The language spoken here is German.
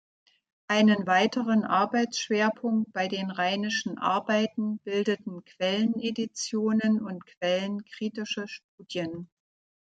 Einen weiteren Arbeitsschwerpunkt bei den rheinischen Arbeiten bildeten Quelleneditionen und quellenkritische Studien.